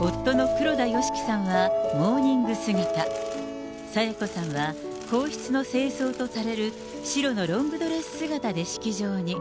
夫の黒田慶樹さんはモーニング姿、清子さんは皇室の正装とされる白のロングドレス姿で式場に。